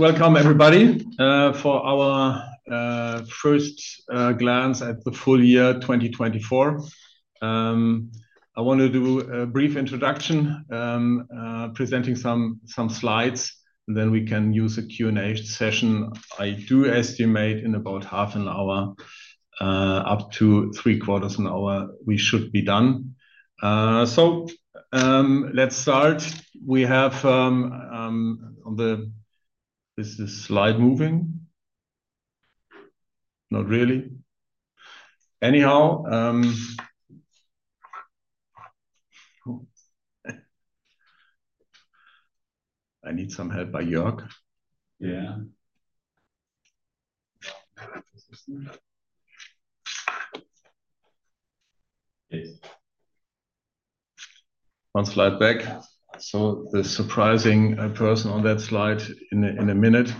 Welcome, everybody, for our first glance at the full year 2024. I want to do a brief introduction, presenting some slides, and then we can use a Q&A session. I do estimate in about half an hour, up to three quarters of an hour, we should be done. So let's start. We have on the—this is slide moving? Not really. Anyhow. I need some help by Jörg. Yeah. One slide back, so the surprising person on that slide in a minute.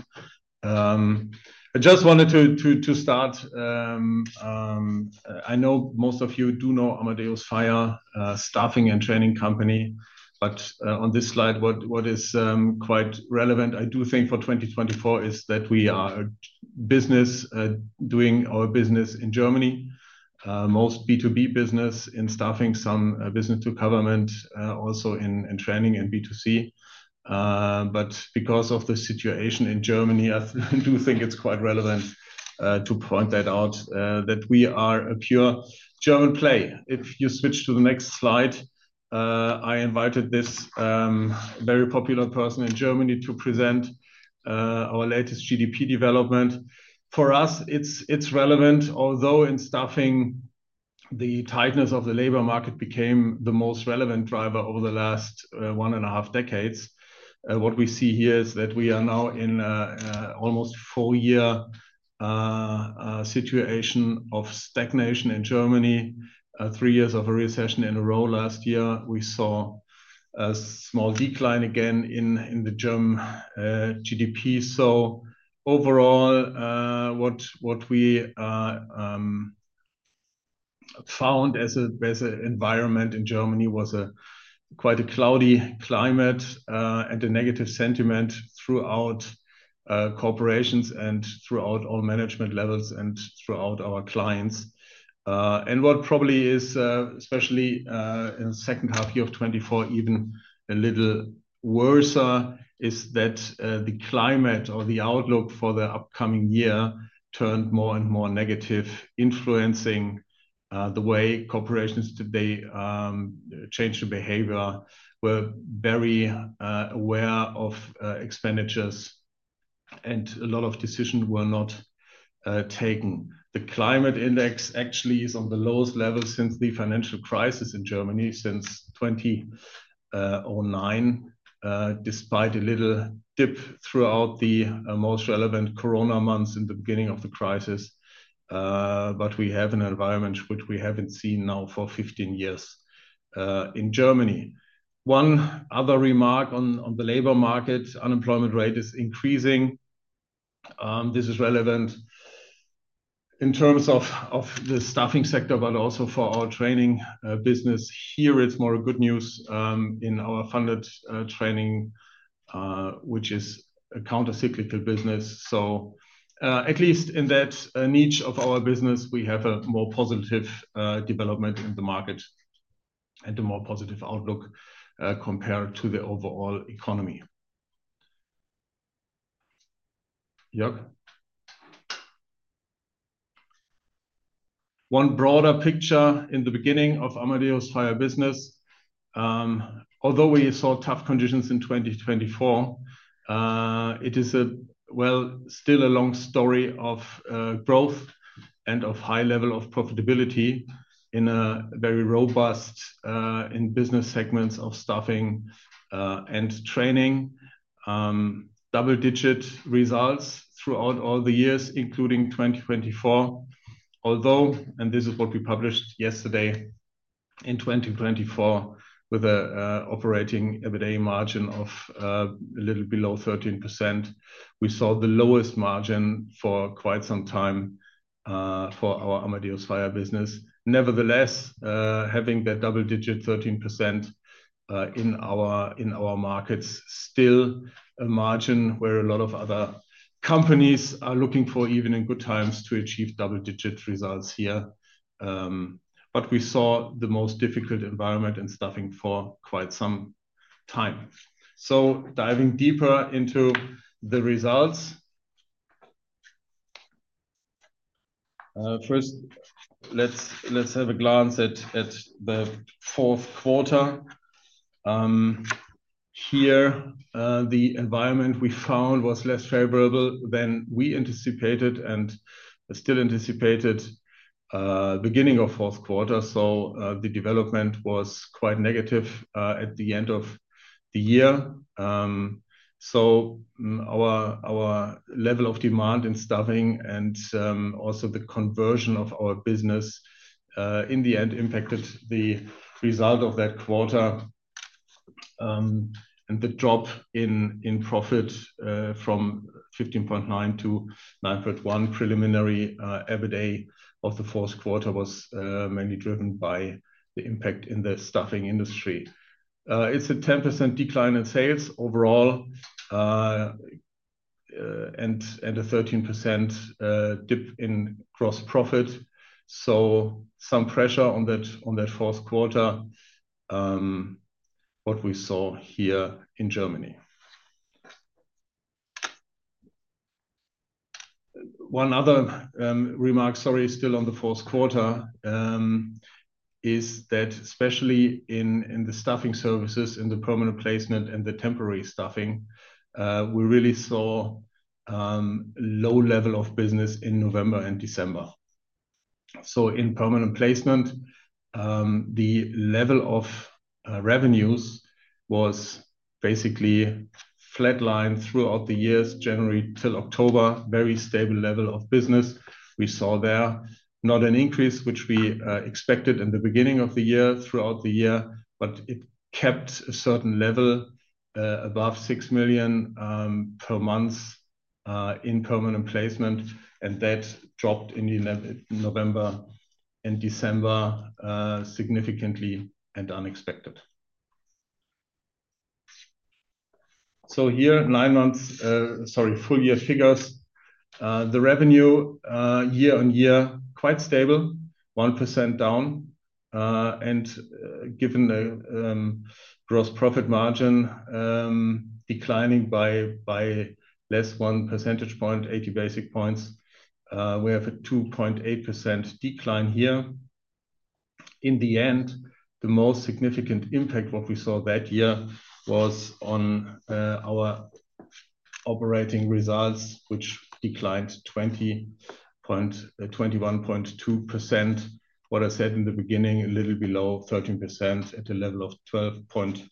I just wanted to start. I know most of you do know Amadeus FiRe, staffing and training company, but on this slide, what is quite relevant, I do think, for 2024, is that we are doing our business in Germany, most B2B business in staffing, some business to government, also in training and B2C, but because of the situation in Germany, I do think it's quite relevant to point that out, that we are a pure German play. If you switch to the next slide, I invited this very popular person in Germany to present our latest GDP development. For us, it's relevant, although in staffing, the tightness of the labor market became the most relevant driver over the last one and a half decades. What we see here is that we are now in an almost four-year situation of stagnation in Germany, three years of a recession in a row. Last year, we saw a small decline again in the German GDP. So overall, what we found as an environment in Germany was quite a cloudy climate and a negative sentiment throughout corporations and throughout all management levels and throughout our clients. And what probably is especially in the second half year of 2024, even a little worse, is that the climate or the outlook for the upcoming year turned more and more negative, influencing the way corporations today changed behavior. We're very aware of expenditures, and a lot of decisions were not taken. The climate index actually is on the lowest level since the financial crisis in Germany, since 2009, despite a little dip throughout the most relevant Corona months in the beginning of the crisis. But we have an environment which we haven't seen now for 15 years in Germany. One other remark on the labor market: unemployment rate is increasing. This is relevant in terms of the staffing sector, but also for our training business. Here, it's more good news in our funded training, which is a countercyclical business. So at least in that niche of our business, we have a more positive development in the market and a more positive outlook compared to the overall economy. Jörg? One broader picture in the beginning of Amadeus FiRe business. Although we saw tough conditions in 2024, it is still a long story of growth and of high level of profitability in a very robust business segment of staffing and training. Double-digit results throughout all the years, including 2024. Although, and this is what we published yesterday, in 2024, with an operating EBITDA margin of a little below 13%, we saw the lowest margin for quite some time for our Amadeus FiRe business. Nevertheless, having that double-digit 13% in our markets, still a margin where a lot of other companies are looking for, even in good times, to achieve double-digit results here. But we saw the most difficult environment in staffing for quite some time. So diving deeper into the results. First, let's have a glance at the fourth quarter. Here, the environment we found was less favorable than we anticipated and still anticipated beginning of fourth quarter. So the development was quite negative at the end of the year. So our level of demand in staffing and also the conversion of our business, in the end, impacted the result of that quarter. And the drop in profit from 15.9 to 9.1 preliminary EBITDA of the fourth quarter was mainly driven by the impact in the staffing industry. It's a 10% decline in sales overall and a 13% dip in gross profit. So some pressure on that fourth quarter that we saw here in Germany. One other remark, sorry, still on the fourth quarter, is that especially in the staffing services, in the permanent placement and the temporary staffing, we really saw a low level of business in November and December. So in permanent placement, the level of revenues was basically flatlined throughout the years, January till October, very stable level of business. We saw there not an increase, which we expected in the beginning of the year, throughout the year, but it kept a certain level above six million per month in permanent placement, and that dropped in November and December significantly and unexpectedly, so here, nine months, sorry, full year figures. The revenue year on year quite stable, 1% down, and given the gross profit margin declining by less than one percentage point, 80 basis points, we have a 2.8% decline here. In the end, the most significant impact, what we saw that year, was on our operating results, which declined 21.2%. What I said in the beginning, a little below 13% at a level of 12.7%.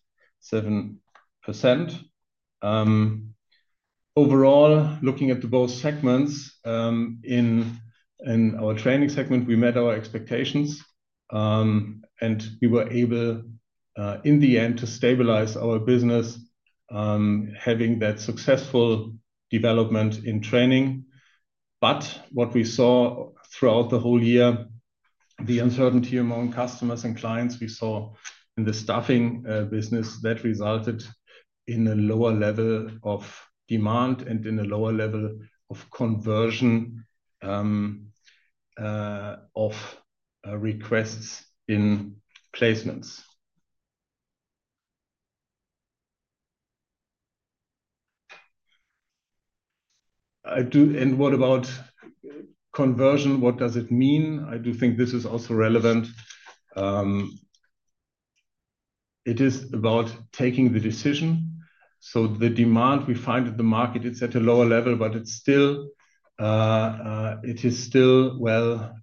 Overall, looking at both segments in our training segment, we met our expectations, and we were able, in the end, to stabilize our business, having that successful development in training. What we saw throughout the whole year, the uncertainty among customers and clients we saw in the staffing business, that resulted in a lower level of demand and in a lower level of conversion of requests in placements. What about conversion? What does it mean? I do think this is also relevant. It is about taking the decision. The demand we find in the market, it's at a lower level, but it is still, well,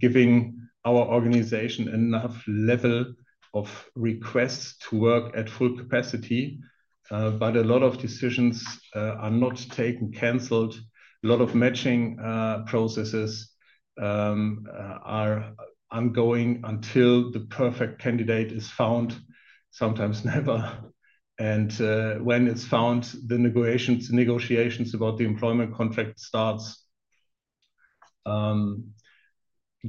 giving our organization enough level of requests to work at full capacity. A lot of decisions are not taken, canceled. A lot of matching processes are ongoing until the perfect candidate is found, sometimes never. When it's found, the negotiations about the employment contract start,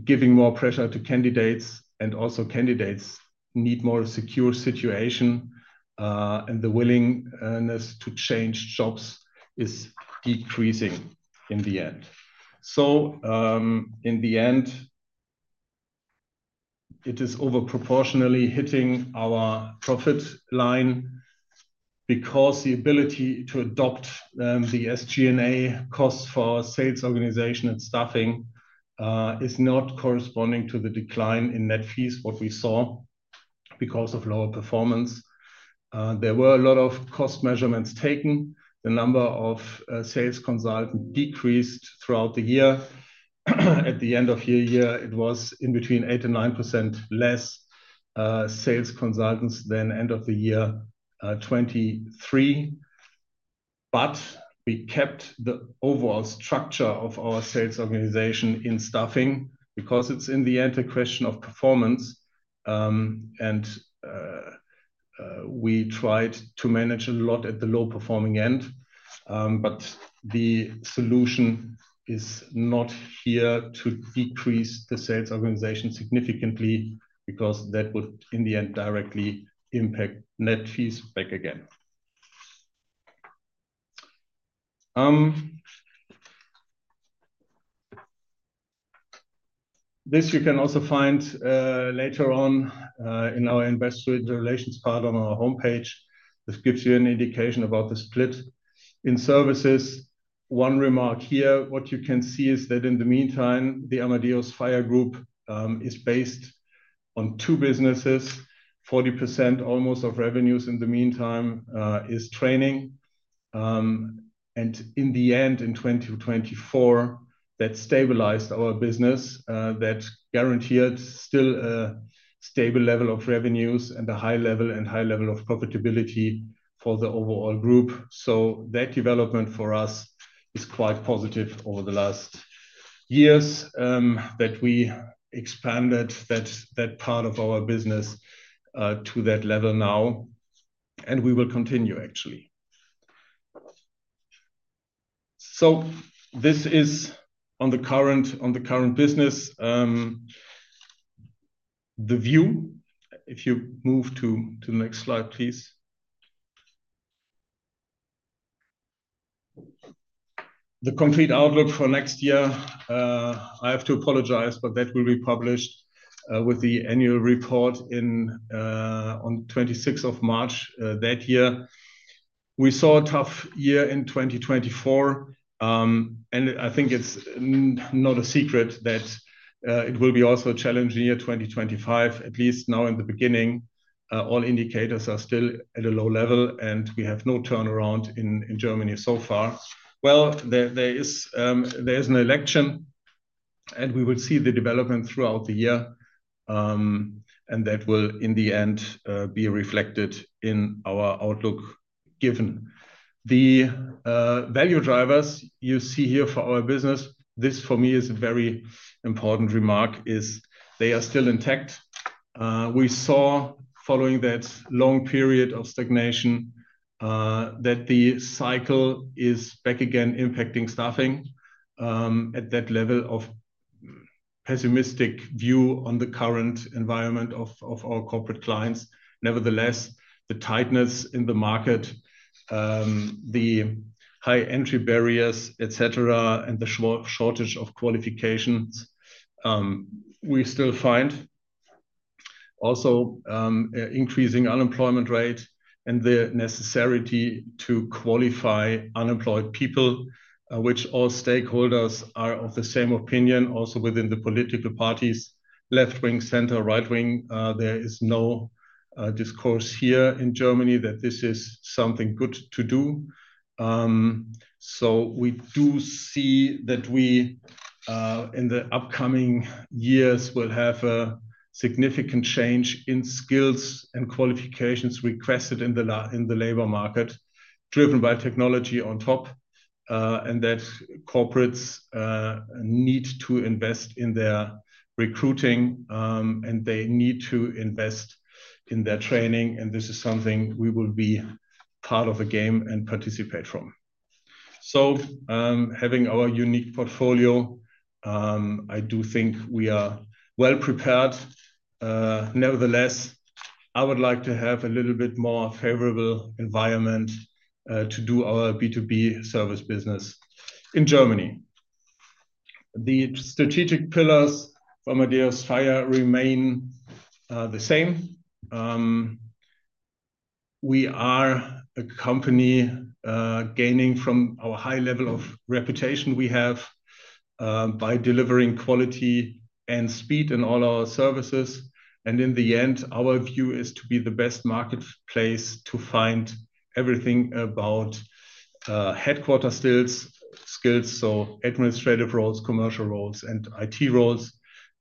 giving more pressure to candidates. Also, candidates need more secure situation. The willingness to change jobs is decreasing in the end. So in the end, it is overproportionately hitting our profit line because the ability to adopt the SG&A costs for sales organization and staffing is not corresponding to the decline in net fees, what we saw because of lower performance. There were a lot of cost measurements taken. The number of sales consultants decreased throughout the year. At the end of the year, it was between 8% and 9% less sales consultants than end of the year 2023. But we kept the overall structure of our sales organization in staffing because it is in the end a question of performance. And we tried to manage a lot at the low-performing end. But the solution is not here to decrease the sales organization significantly because that would, in the end, directly impact net fees back again. This you can also find later on in our investor relations part on our homepage. This gives you an indication about the split in services. One remark here, what you can see is that in the meantime, the Amadeus FiRe group is based on two businesses. Almost 40% of revenues in the meantime is training. And in the end, in 2024, that stabilized our business. That guaranteed still a stable level of revenues and a high level and high level of profitability for the overall group. So that development for us is quite positive over the last years that we expanded that part of our business to that level now. And we will continue, actually. So this is on the current business. The view, if you move to the next slide, please. The complete outlook for next year, I have to apologize, but that will be published with the annual report on the 26th of March that year. We saw a tough year in 2024, and I think it's not a secret that it will be also a challenging year, 2025, at least now in the beginning. All indicators are still at a low level, and we have no turnaround in Germany so far, well, there is an election, and we will see the development throughout the year, and that will, in the end, be reflected in our outlook given. The value drivers you see here for our business, this for me is a very important remark, is they are still intact. We saw, following that long period of stagnation, that the cycle is back again, impacting staffing at that level of pessimistic view on the current environment of our corporate clients. Nevertheless, the tightness in the market, the high entry barriers, etc., and the shortage of qualifications, we still find. Also, increasing unemployment rate and the necessity to qualify unemployed people, which all stakeholders are of the same opinion, also within the political parties, left wing, center, right wing, there is no discourse here in Germany that this is something good to do. So we do see that we, in the upcoming years, will have a significant change in skills and qualifications requested in the labor market, driven by technology on top. And that corporates need to invest in their recruiting, and they need to invest in their training. And this is something we will be part of the game and participate from. So having our unique portfolio, I do think we are well prepared. Nevertheless, I would like to have a little bit more favorable environment to do our B2B service business in Germany. The strategic pillars for Amadeus FiRe remained the same. We are a company gaining from our high level of reputation we have by delivering quality and speed in all our services, and in the end, our view is to be the best marketplace to find everything about headquarter skills, so administrative roles, commercial roles, and IT roles,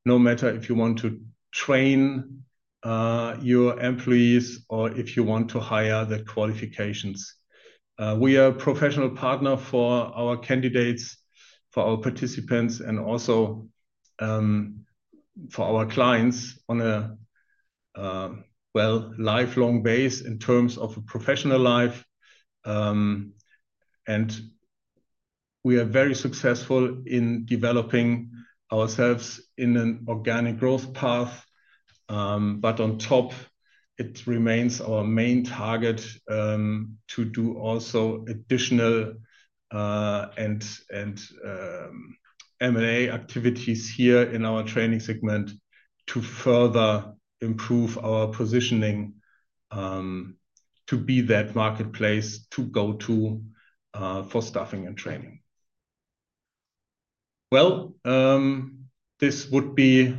no matter if you want to train your employees or if you want to hire the qualifications. We are a professional partner for our candidates, for our participants, and also for our clients on a, well, lifelong basis in terms of a professional life, and we are very successful in developing ourselves in an organic growth path. But on top, it remains our main target to do also additional and M&A activities here in our training segment to further improve our positioning to be that marketplace to go to for staffing and training. Well, this would be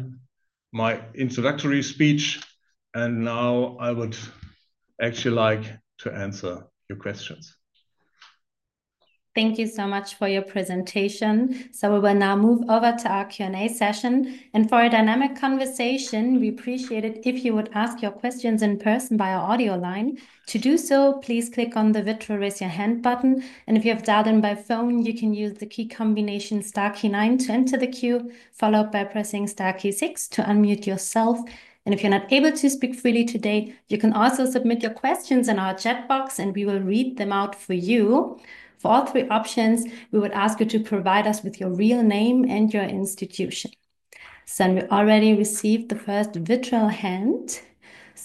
my introductory speech. And now I would actually like to answer your questions. Thank you so much for your presentation. So we will now move over to our Q&A session. And for a dynamic conversation, we appreciate it if you would ask your questions in person by our audio line. To do so, please click on the virtual raise your hand button. And if you have dialed in by phone, you can use the key combination star key 9 to enter the queue, followed by pressing star key 6 to unmute yourself. If you're not able to speak freely today, you can also submit your questions in our chat box, and we will read them out for you. For all three options, we would ask you to provide us with your real name and your institution. We already received the first virtual hand.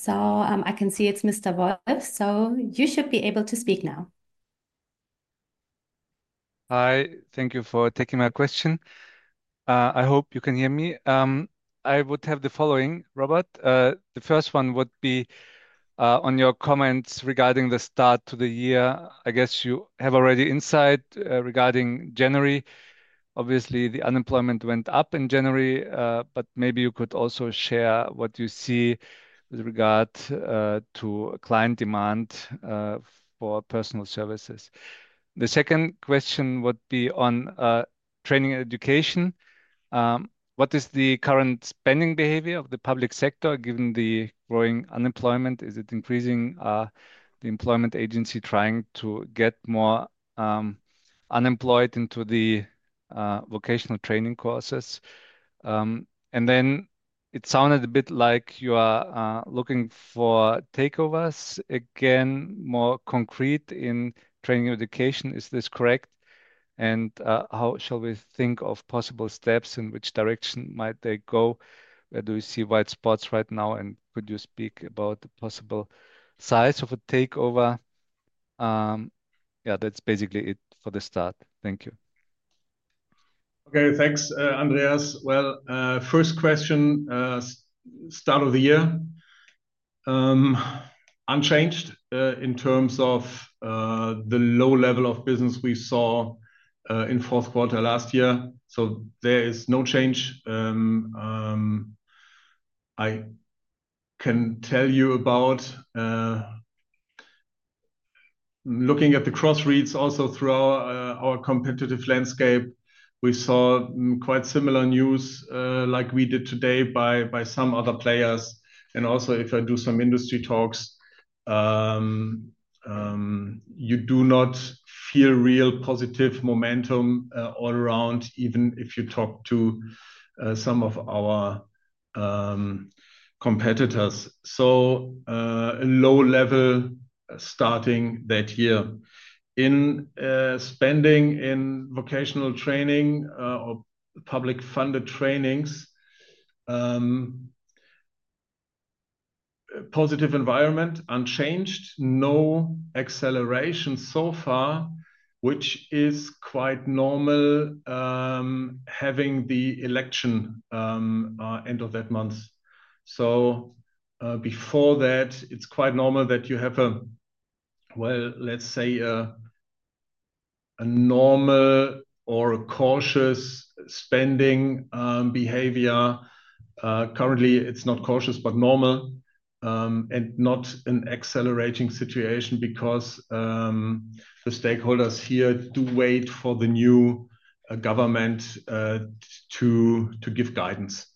I can see it's Mr. Robert. You should be able to speak now. Hi. Thank you for taking my question. I hope you can hear me. I would have the following, Robert. The first one would be on your comments regarding the start to the year. I guess you have already insight regarding January. Obviously, the unemployment went up in January, but maybe you could also share what you see with regard to client demand for personnel services. The second question would be on training and education. What is the current spending behavior of the public sector given the growing unemployment? Is it increasing the employment agency trying to get more unemployed into the vocational training courses? And then it sounded a bit like you are looking for takeovers again, more concrete in training education. Is this correct? And how shall we think of possible steps in which direction might they go? Where do you see white spots right now? And could you speak about the possible size of a takeover? Yeah, that's basically it for the start. Thank you. Okay, thanks, Andreas. Well, first question, start of the year. Unchanged in terms of the low level of business we saw in fourth quarter last year. So there is no change. I can tell you about looking at the cross-reads also through our competitive landscape. We saw quite similar news like we did today by some other players, and also, if I do some industry talks, you do not feel real positive momentum all around, even if you talk to some of our competitors. So a low level starting that year in spending in vocational training or public-funded trainings, positive environment, unchanged, no acceleration so far, which is quite normal having the election end of that month. So before that, it's quite normal that you have a, well, let's say, a normal or a cautious spending behavior. Currently, it's not cautious, but normal, and not an accelerating situation because the stakeholders here do wait for the new government to give guidance.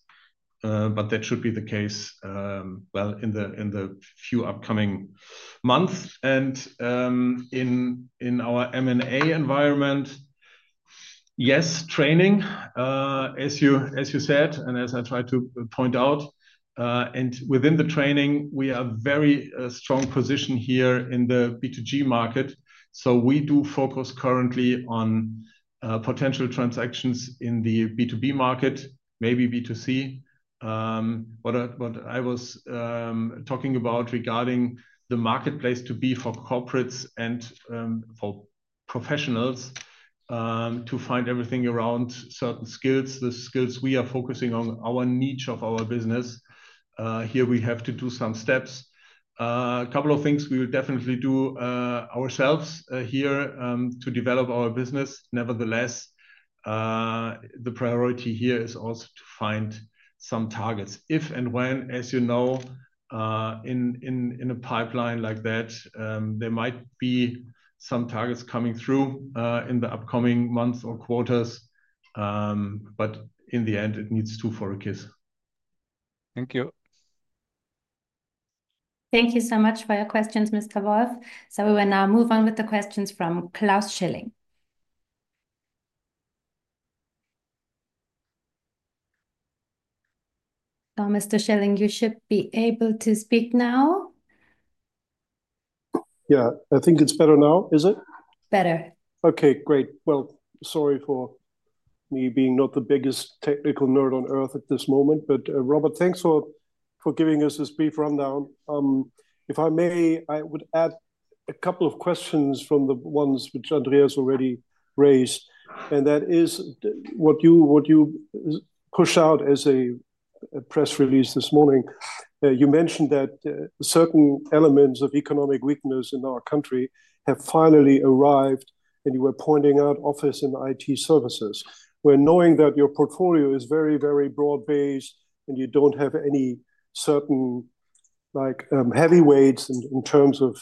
But that should be the case, well, in the few upcoming months, and in our M&A environment, yes, training, as you said, and as I tried to point out. Within the training, we have a very strong position here in the B2G market. We do focus currently on potential transactions in the B2B market, maybe B2C. What I was talking about regarding the marketplace to be for corporates and for professionals to find everything around certain skills, the skills we are focusing on, our niche of our business, here we have to do some steps. A couple of things we will definitely do ourselves here to develop our business. Nevertheless, the priority here is also to find some targets. If and when, as you know, in a pipeline like that, there might be some targets coming through in the upcoming months or quarters. In the end, it needs to focus. Thank you. Thank you so much for your questions, Mr. Wolf. We will now move on with the questions from Klaus Schilling. Mr. Schilling, you should be able to speak now. Yeah, I think it's better now, is it? Better. Okay, great. Well, sorry for me being not the biggest technical nerd on earth at this moment. But Robert, thanks for giving us this brief rundown. If I may, I would add a couple of questions from the ones which Andreas already raised. And that is what you pushed out as a press release this morning. You mentioned that certain elements of economic weakness in our country have finally arrived, and you were pointing out office and IT services. When knowing that your portfolio is very, very broad-based and you don't have any certain heavyweights in terms of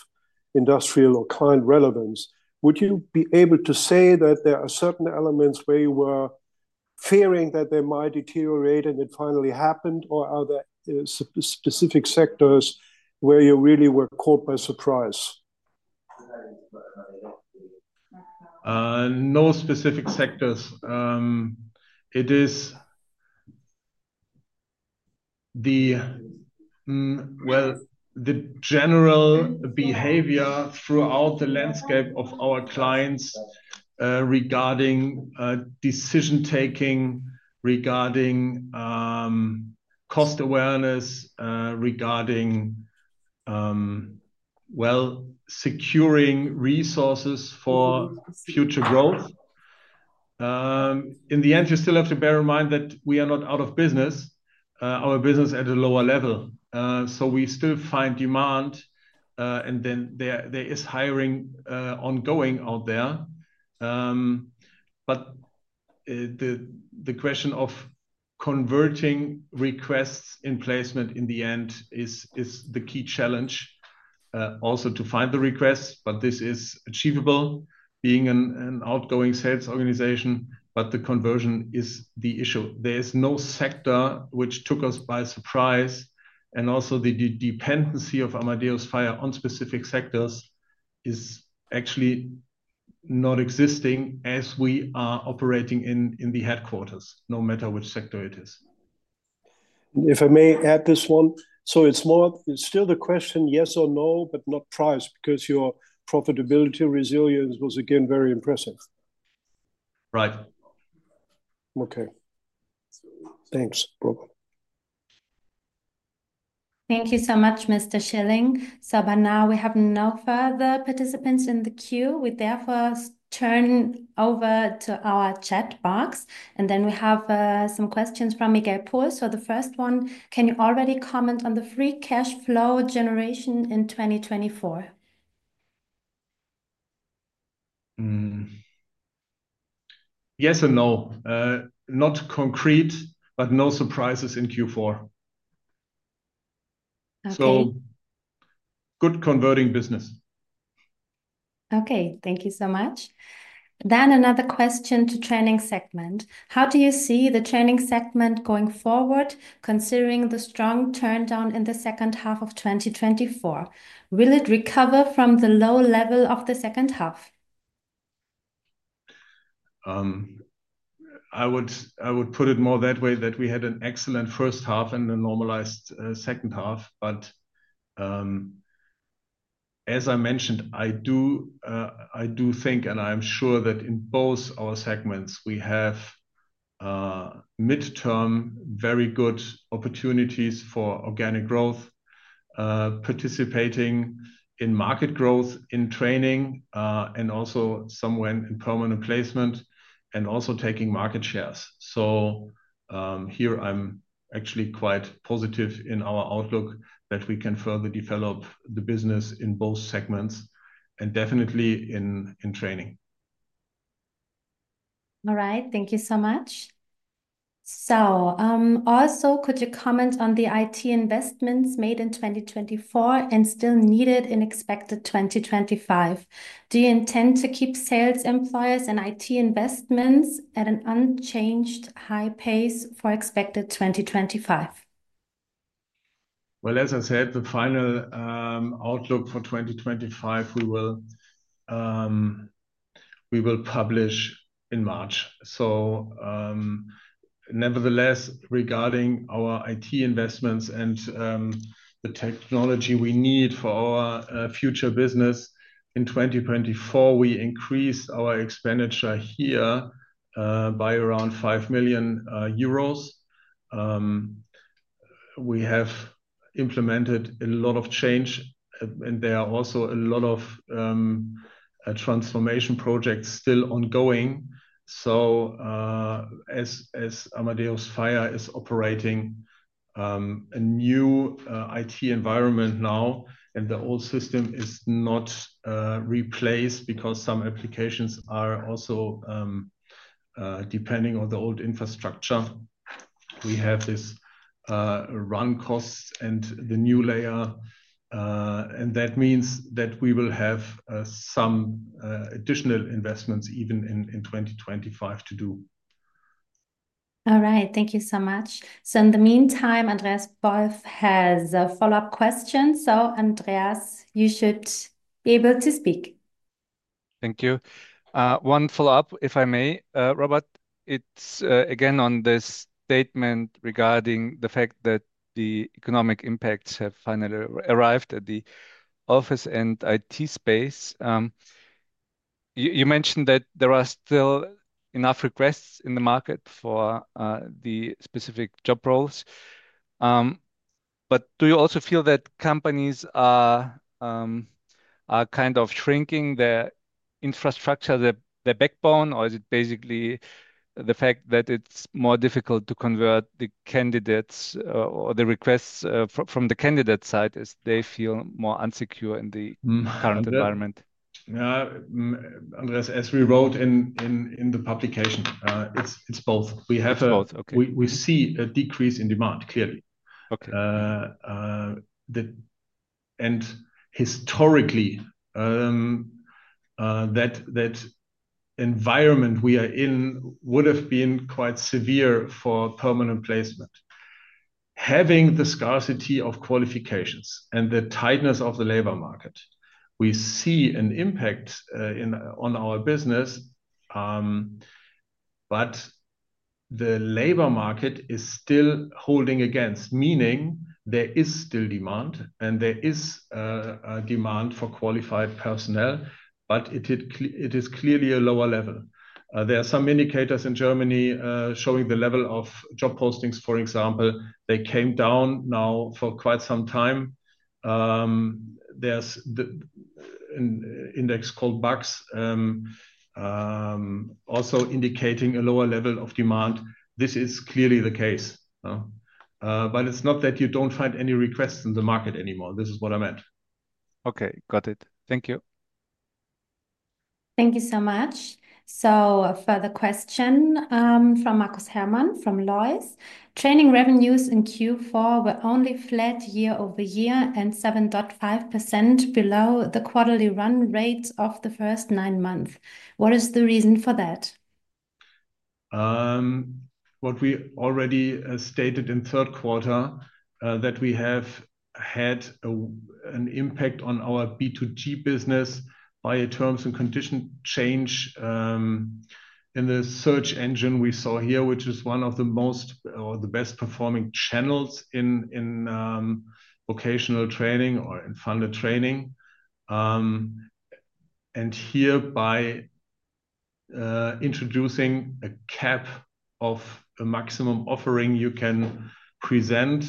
industrial or client relevance, would you be able to say that there are certain elements where you were fearing that they might deteriorate and it finally happened, or are there specific sectors where you really were caught by surprise? No specific sectors. It is the, well, the general behavior throughout the landscape of our clients regarding decision-making, regarding cost awareness, regarding, well, securing resources for future growth. In the end, you still have to bear in mind that we are not out of business. Our business is at a lower level so we still find demand, and then there is hiring ongoing out there but the question of converting requests in placement in the end is the key challenge, also to find the requests. But this is achievable being an outgoing sales organization, but the conversion is the issue. There is no sector which took us by surprise. And also the dependency of Amadeus FiRe on specific sectors is actually not existing as we are operating in the headquarters, no matter which sector it is. If I may add this one. So it's still the question, yes or no, but not price, because your profitability resilience was, again, very impressive. Right. Okay. Thanks, Robert. Thank you so much, Mr. Schilling. So by now, we have no further participants in the queue. We therefore turn over to our chat box. And then we have some questions from Miguel Puhl. So the first one, can you already comment on the free cash flow generation in 2024? Yes and no. Not concrete, but no surprises in Q4. So good converting business. Okay, thank you so much. Then another question to the training segment. How do you see the training segment going forward, considering the strong downturn in the second half of 2024? Will it recover from the low level of the second half? I would put it more that way, that we had an excellent first half and a normalized second half. But as I mentioned, I do think, and I'm sure that in both our segments, we have mid- to long-term very good opportunities for organic growth, participating in market growth in training, and also somewhere in permanent placement, and also taking market shares. So here, I'm actually quite positive in our outlook that we can further develop the business in both segments and definitely in training. All right. Thank you so much. So also, could you comment on the IT investments made in 2024 and still needed in expected 2025? Do you intend to keep sales employees and IT investments at an unchanged high pace for expected 2025? Well, as I said, the final outlook for 2025, we will publish in March. So nevertheless, regarding our IT investments and the technology we need for our future business, in 2024, we increased our expenditure here by around 5 million euros. We have implemented a lot of change, and there are also a lot of transformation projects still ongoing. So as Amadeus FiRe is operating a new IT environment now, and the old system is not replaced because some applications are also depending on the old infrastructure. We have this run cost and the new layer. And that means that we will have some additional investments even in 2025 to do. All right. Thank you so much. So in the meantime, Andreas Wolf has a follow-up question. So, Andreas, you should be able to speak. Thank you. One follow-up, if I may, Robert. It's again on this statement regarding the fact that the economic impacts have finally arrived at the office and IT space. You mentioned that there are still enough requests in the market for the specific job roles. But do you also feel that companies are kind of shrinking their infrastructure, their backbone, or is it basically the fact that it's more difficult to convert the candidates or the requests from the candidate side as they feel more insecure in the current environment? Yeah, Andreas, as we wrote in the publication, it's both. We see a decrease in demand, clearly. And historically, that environment we are in would have been quite severe for permanent placement. Having the scarcity of qualifications and the tightness of the labor market, we see an impact on our business. But the labor market is still holding against, meaning there is still demand, and there is demand for qualified personnel, but it is clearly a lower level. There are some indicators in Germany showing the level of job postings, for example. They came down now for quite some time. There's an index called BA-X also indicating a lower level of demand. This is clearly the case. But it's not that you don't find any requests in the market anymore. This is what I meant. Okay, got it. Thank you. Thank you so much. So for the question from Markus Herrmann from LBBW, training revenues in Q4 were only flat year over year and 7.5% below the quarterly run rate of the first nine months. What is the reason for that? What we already stated in third quarter, that we have had an impact on our B2G business by terms and conditions change in the search engine we saw here, which is one of the most or the best-performing channels in vocational training or in funded training, and here, by introducing a cap of a maximum offering you can present,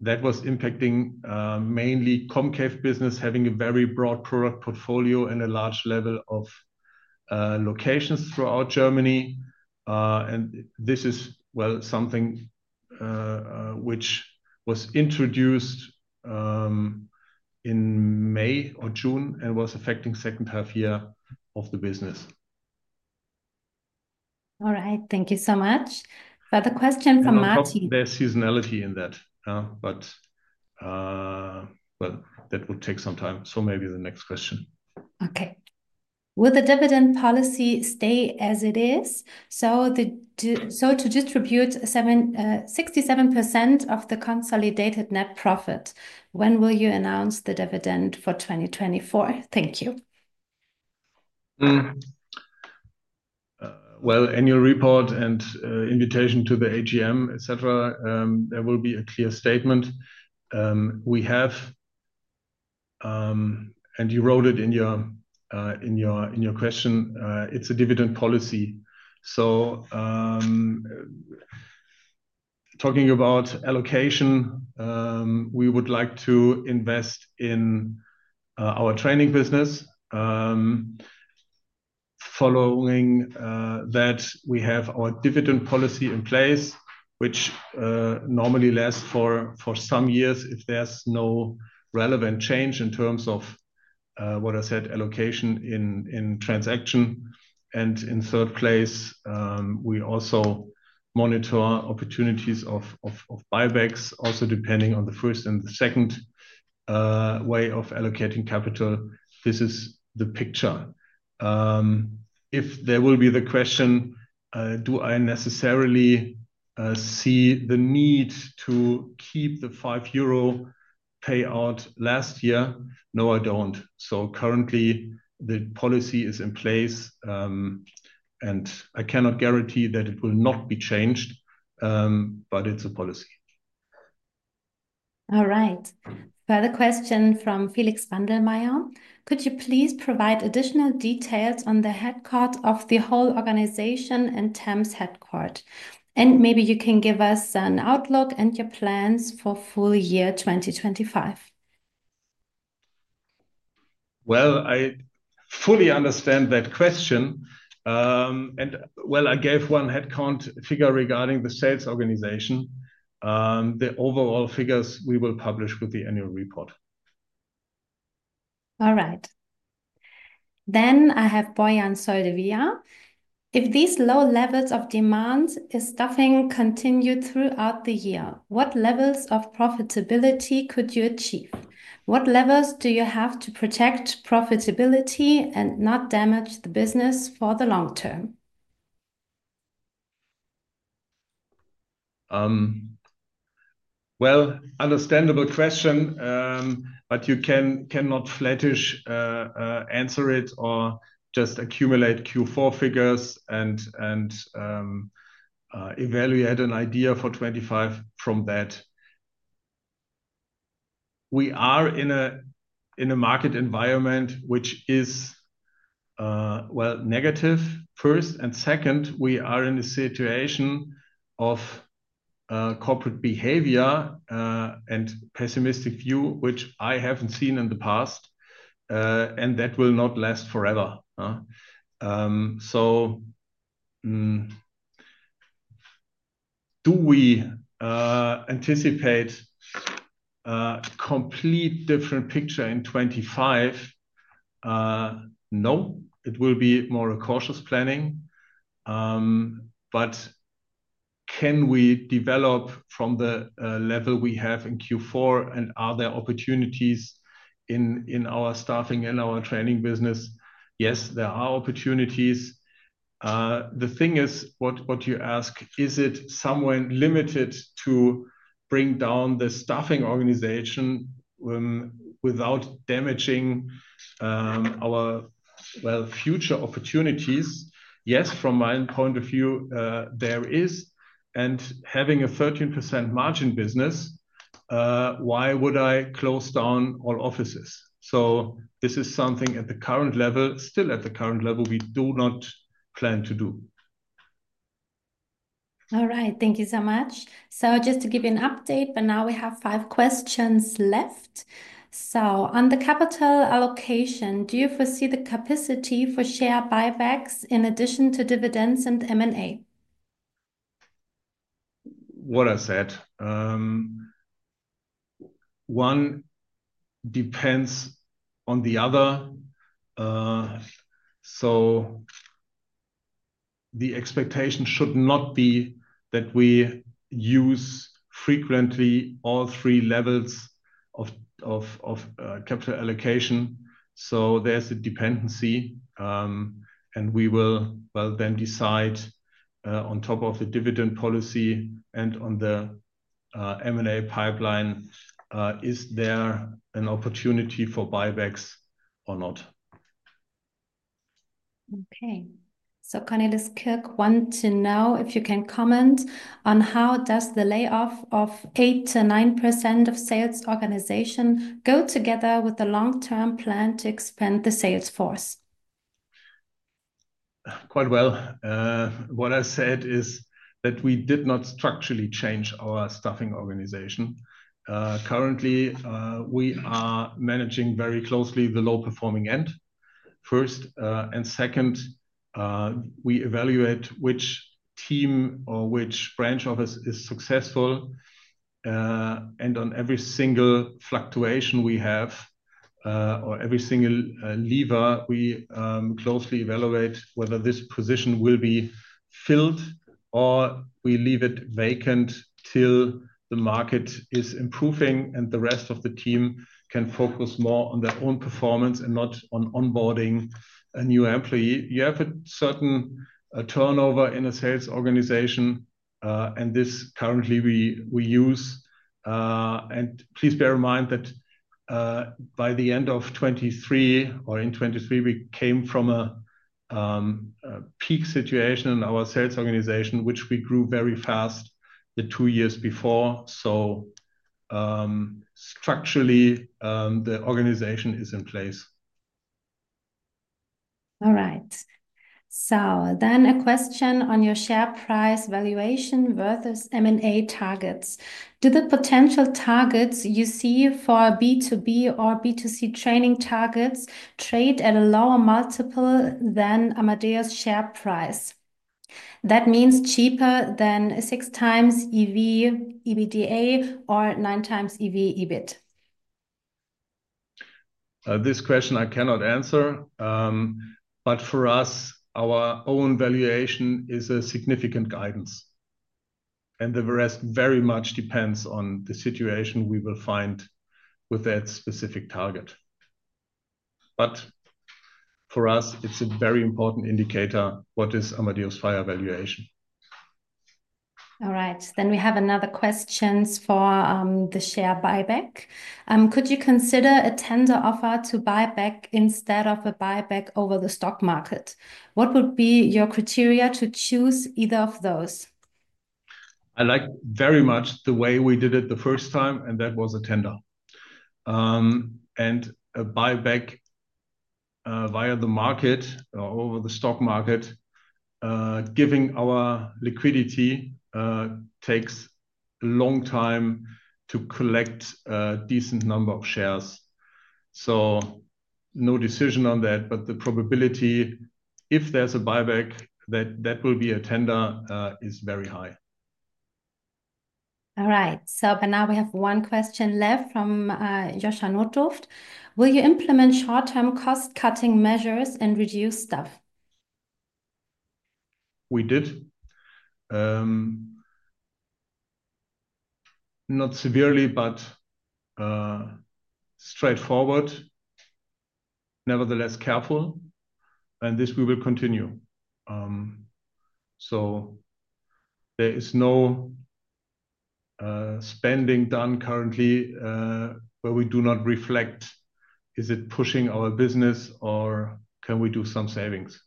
that was impacting mainly Comcave business, having a very broad product portfolio and a large level of locations throughout Germany, and this is, well, something which was introduced in May or June and was affecting the second half year of the business. All right. Thank you so much, but the question from Martin: There's seasonality in that. But that would take some time, so maybe the next question. Okay. Will the dividend policy stay as it is? To distribute 67% of the consolidated net profit, when will you announce the dividend for 2024? Thank you. In your report and invitation to the AGM, etc., there will be a clear statement. We have, and you wrote it in your question, it's a dividend policy. Talking about allocation, we would like to invest in our training business. Following that, we have our dividend policy in place, which normally lasts for some years if there's no relevant change in terms of, what I said, allocation in transaction. In third place, we also monitor opportunities of buybacks, also depending on the first and the second way of allocating capital. This is the picture. If there will be the question, do I necessarily see the need to keep the 5 euro payout last year? No, I don't. Currently, the policy is in place, and I cannot guarantee that it will not be changed, but it's a policy. All right. For the question from Felix Wandlmayer, could you please provide additional details on the headquarters of the whole organization and Temps headquarters? And maybe you can give us an outlook and your plans for full year 2025. I fully understand that question. And I gave one headcount figure regarding the sales organization. The overall figures we will publish with the annual report. All right. Then I have Bojan Soldevia. If these low levels of demand in staffing continue throughout the year, what levels of profitability could you achieve? What levers do you have to protect profitability and not damage the business for the long term? Understandable question, but you cannot flatly answer it or just accumulate Q4 figures and evaluate an idea for 2025 from that. We are in a market environment which is, well, negative first. And second, we are in a situation of corporate behavior and pessimistic view, which I haven't seen in the past, and that will not last forever. So do we anticipate a complete different picture in 2025? No, it will be more a cautious planning. But can we develop from the level we have in Q4? And are there opportunities in our staffing and our training business? Yes, there are opportunities. The thing is, what you ask, is it somehow limited to bring down the staffing organization without damaging our, well, future opportunities? Yes, from my point of view, there is. And having a 13% margin business, why would I close down all offices? So this is something at the current level, still at the current level, we do not plan to do. All right. Thank you so much. So just to give you an update, but now we have five questions left. So on the capital allocation, do you foresee the capacity for share buybacks in addition to dividends and M&A? What I said. One depends on the other. So the expectation should not be that we use frequently all three levels of capital allocation. So there's a dependency, and we will, well, then decide on top of the dividend policy and on the M&A pipeline. Is there an opportunity for buybacks or not? Okay. So Cornelis Kirk want to know if you can comment on how does the layoff of 8%-9% of sales organization go together with the long-term plan to expand the sales force? Quite well. What I said is that we did not structurally change our staffing organization. Currently, we are managing very closely the low-performing end, first and second, we evaluate which team or which branch office is successful, and on every single fluctuation we have or every single lever, we closely evaluate whether this position will be filled or we leave it vacant till the market is improving and the rest of the team can focus more on their own performance and not on onboarding a new employee. You have a certain turnover in a sales organization, and this currently we use, and please bear in mind that by the end of 2023 or in 2023, we came from a peak situation in our sales organization, which we grew very fast the two years before, so structurally, the organization is in place. All right. So then a question on your share price valuation versus M&A targets. Do the potential targets you see for B2B or B2C training targets trade at a lower multiple than Amadeus FiRe's share price? That means cheaper than six times EV EBITDA or nine times EV EBIT. This question I cannot answer. But for us, our own valuation is a significant guidance. And the rest very much depends on the situation we will find with that specific target. But for us, it's a very important indicator what is Amadeus FiRe's valuation. All right. Then we have another question for the share buyback. Could you consider a tender offer to buyback instead of a buyback over the stock market? What would be your criteria to choose either of those? I like very much the way we did it the first time, and that was a tender. A buyback via the market or over the stock market, given our liquidity, takes a long time to collect a decent number of shares. No decision on that, but the probability if there's a buyback that will be a tender is very high. All right. For now, we have one question left from Joscha Nortroft. Will you implement short-term cost-cutting measures and reduce staff? We did. Not severely, but straightforward. Nevertheless, careful. This we will continue. There is no spending done currently where we do not reflect, is it pushing our business or can we do some savings?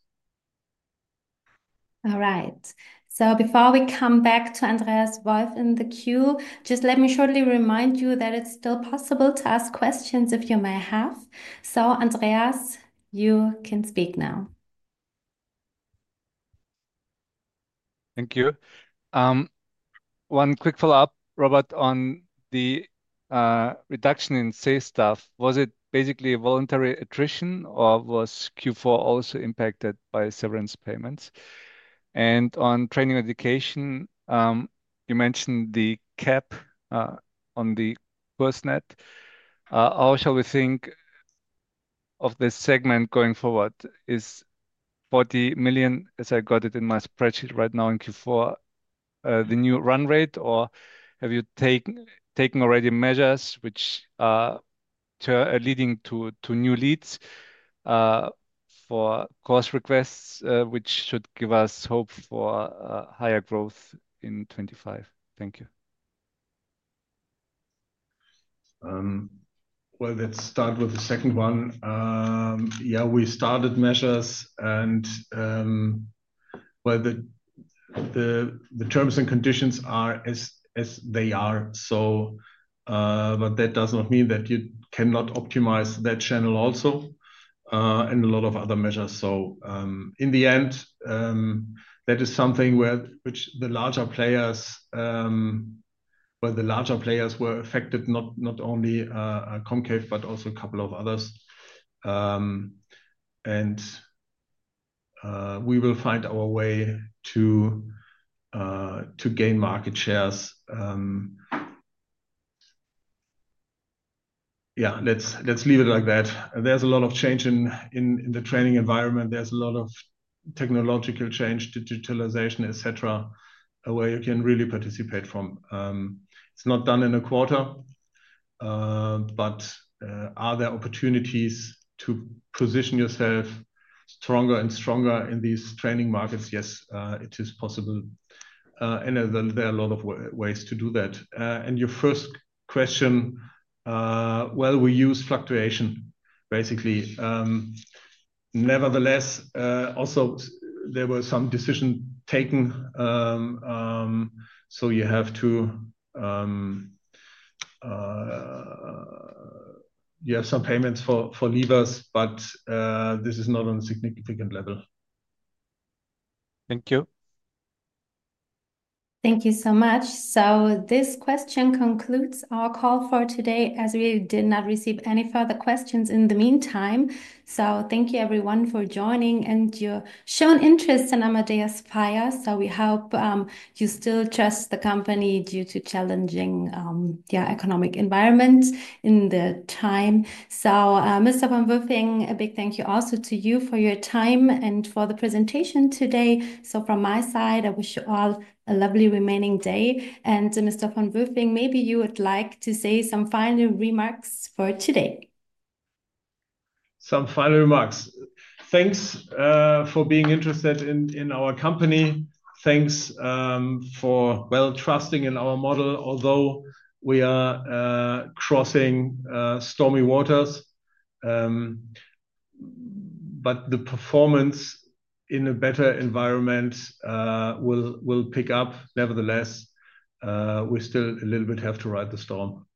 All right. Before we come back to Andreas Wolf in the queue, just let me shortly remind you that it's still possible to ask questions if you may have. Andreas, you can speak now. Thank you. One quick follow-up, Robert, on the reduction in sales staff. Was it basically a voluntary attrition or was Q4 also impacted by severance payments? And on training education, you mentioned the cap on the KURSNET. How shall we think of this segment going forward? Is 40 million, as I got it in my spreadsheet right now in Q4, the new run rate, or have you taken already measures which are leading to new leads for course requests, which should give us hope for higher growth in 2025? Thank you. Well, let's start with the second one. Yeah, we started measures. And well, the terms and conditions are as they are. But that does not mean that you cannot optimize that channel also and a lot of other measures. So in the end, that is something which the larger players were affected, not only Comcave, but also a couple of others. And we will find our way to gain market shares. Yeah, let's leave it like that. There's a lot of change in the training environment. There's a lot of technological change, digitalization, etc., where you can really participate from. It's not done in a quarter. But are there opportunities to position yourself stronger and stronger in these training markets? Yes, it is possible. And there are a lot of ways to do that. And your first question, well, we use fluctuation, basically. Nevertheless, also there were some decisions taken. So you have to have some payments for levers, but this is not on a significant level. Thank you. Thank you so much. So this question concludes our call for today as we did not receive any further questions in the meantime. So thank you, everyone, for joining and your shown interest in Amadeus FiRe. So we hope you still trust the company due to challenging economic environment in the time. So Mr. von Wülfing, a big thank you also to you for your time and for the presentation today. So from my side, I wish you all a lovely remaining day. And Mr. von Wülfing, maybe you would like to say some final remarks for today. Some final remarks. Thanks for being interested in our company. Thanks for, well, trusting in our model, although we are crossing stormy waters. But the performance in a better environment will pick up. Nevertheless, we still a little bit have to ride the storm.